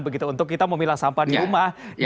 begitu untuk kita memilah sampah di rumah